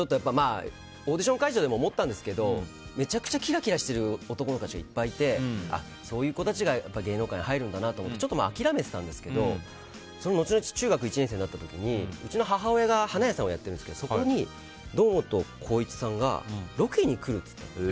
オーディション会場でも思ったんですけどめちゃくちゃきらきらしてる男の子たちがいっぱいいてそういう子たちが芸能界に入るんだなと思ってちょっと諦めてたんですけど後々、中学１年生になった時にうちの母親が花屋さんをやってるんですけどそこに堂本光一さんがロケに来るって言って。